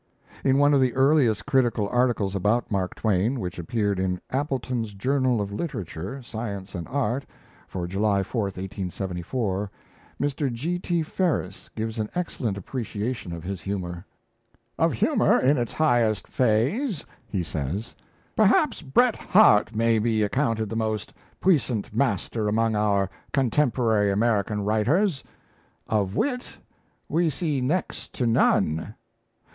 In one of the earliest critical articles about Mark Twain, which appeared in 'Appleton's Journal of Literature, Science and Art' for July 4,1874, Mr. G. T. Ferris gives an excellent appreciation of his humour. "Of humour in its highest phase," he says, "perhaps Bret Harte may be accounted the most puissant master among our contemporary American writers. Of wit, we see next to none.